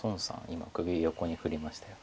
今首横に振りました。